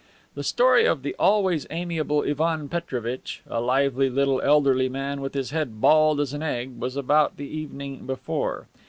The story of the always amiable Ivan Petrovitch (a lively, little, elderly man with his head bald as an egg) was about the evening before.